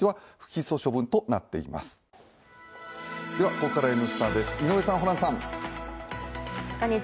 ここからは「Ｎスタ」です井上さん、ホランさん。